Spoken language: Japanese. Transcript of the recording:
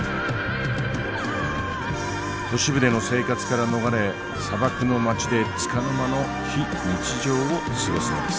都市部での生活から逃れ砂漠の街でつかの間の非日常を過ごすのです。